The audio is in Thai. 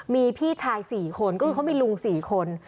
มีพี่ชาย๔คนก็คือเขามีลุง๔คน